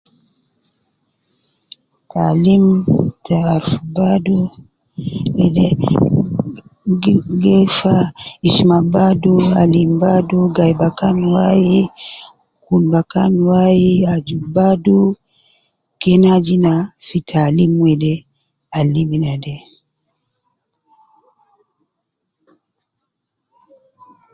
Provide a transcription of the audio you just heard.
Taalim te aruf badu, gi gi fa ishma badu, alim badu ,gai bakan wai ,kun bakan wai, aju badu ,kena aju ina fi taalim wede al lim ina de